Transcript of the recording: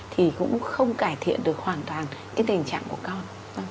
thì cũng không cải thiện được hoàn toàn cái tình trạng của con